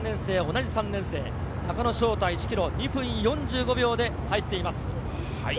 同じ３年生・中野翔太、１ｋｍ２分４５秒で入っています。